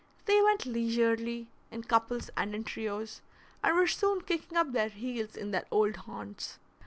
They went leisurely, in couples and in trios, and were soon kicking up their heels in their old haunts.